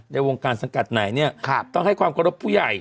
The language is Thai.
ในวงการสังกัดไหนเนี่ยต้องให้ความเคารพผู้ใหญ่